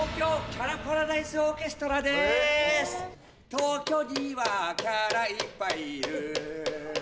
東京にはキャラいっぱいいる